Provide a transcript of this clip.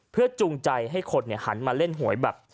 เพื่อจูงใจให้คนหันมาเล่นหวยแบบ